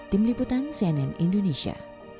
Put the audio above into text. tim liputan cnn indonesia